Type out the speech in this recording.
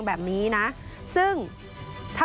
ขออนุญาตให้คนในชาติรักกัน